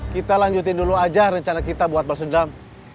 kita lanjutin dulu aja rencana kita buat balsedam